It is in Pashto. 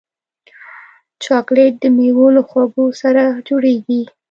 چاکلېټ د میوو له خوږو سره جوړېږي.